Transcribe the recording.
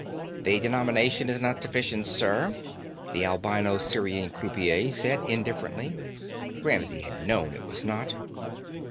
"The denomination is not sufficient, sir," the albino Sirian croupier said indifferently. Ramsey had known it was not.